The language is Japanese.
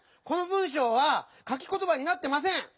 この文しょうはかきことばになってません！